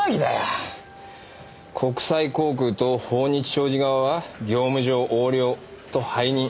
国際航空と豊日商事側は業務上横領と背任。